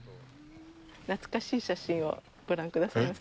懐かしい写真をご覧くださいませ。